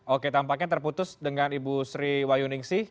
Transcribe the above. oke tampaknya terputus dengan ibu sri wayuning sih